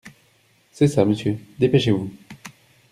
C’est ça, monsieur, dépêchez-vous !